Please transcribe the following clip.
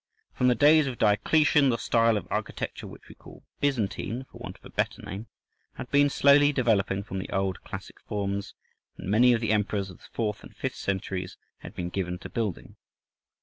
From the days of Diocletian the style of architecture which we call Byzantine, for want of a better name, had been slowly developing from the old classic forms, and many of the emperors of the fourth and fifth centuries had been given to building.